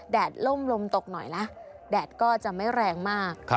ดล่มลมตกหน่อยละแดดก็จะไม่แรงมาก